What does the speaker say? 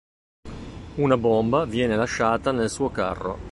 Una bomba viene lasciata nel suo carro.